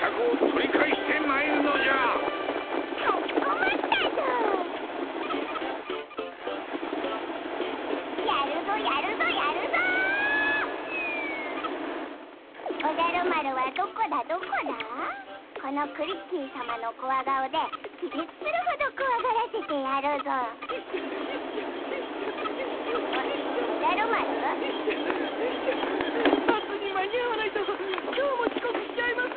ヨイショヨイショバスに間に合わないと今日もちこくしちゃいます！